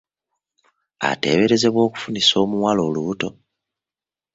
Ateeberezebwa okufunisa omuwala olubuto.